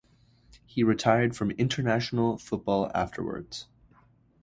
He retired from international football afterwards.